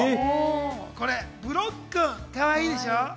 これ、ぶろっ君、かわいいでしょ？